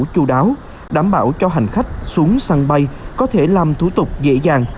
chú đáo đảm bảo cho hành khách xuống sân bay có thể làm thủ tục dễ dàng